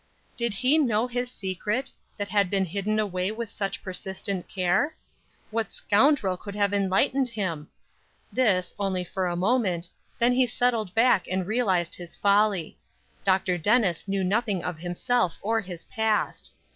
Did he know his secret, that had been hidden away with such persistent care? What scoundrel could have enlightened him? This, only for a moment; then he settled back and realized his folly. Dr. Dennis knew nothing of himself or his past.